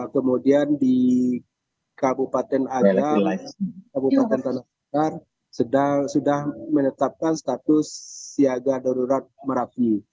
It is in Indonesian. kemudian di kabupaten adam kabupaten tanah sudah menetapkan status siaga darurat merapi